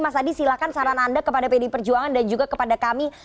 mas adi silahkan saran anda kepada pdi perjuangan dan juga kepada kami